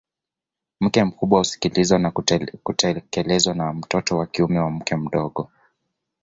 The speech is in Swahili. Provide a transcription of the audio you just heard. Mke mkubwa husikilizwa na kutekelezwa na mtoto wa kiume wa mke mdogo